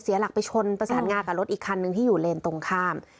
หลักไปชนประสานงากับรถอีกคันนึงที่อยู่เลนตรงข้าม